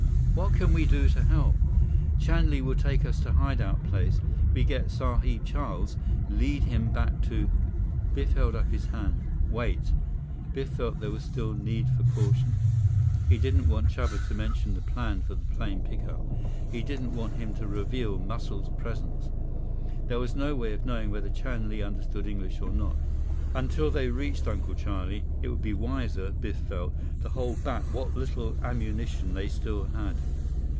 "What can we do to help?" "Chan Li will take us to hide out place. We get Sahib Charles, lead him back to—" Biff held up his hand. "Wait." Biff felt there was still need for caution. He didn't want Chuba to mention the plan for the plane pickup. He didn't want him to reveal Muscles' presence. There was no way of knowing whether Chan Li understood English or not. Until they reached Uncle Charlie, it would be wiser, Biff felt, to hold back what little ammunition they still had.